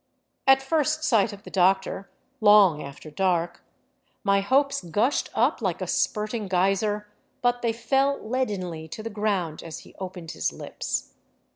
'' At first sight of the doctor, long after dark, my hopes gushed up like a spurting geyser, but they fell leadenly to the ground as he opened his lips.